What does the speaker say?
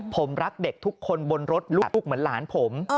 ผมรักเด็กทุกคนบนรถลูกเหมือนหลานผม